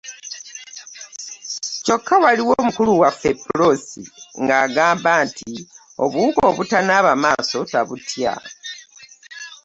Kyokka waaliwo mukulu waffe, Prossy nga agamaba nti obuwuka obutanaaba maaso tabutya!